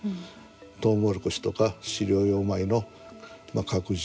トウモロコシとか飼料用米の拡充